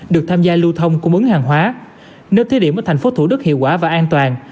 được tham gia lưu thông cung ứng hàng hóa nếu thí điểm ở thành phố thủ đức hiệu quả và an toàn